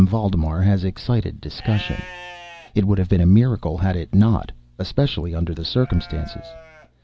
Valdemar has excited discussion. It would have been a miracle had it not—especially under the circumstances.